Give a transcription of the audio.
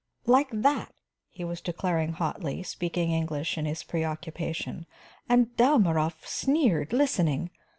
"Like that," he was declaring hotly, speaking English in his preoccupation, "and Dalmorov sneered, listening.